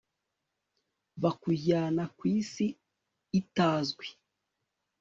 bakujyana ku isi itazwi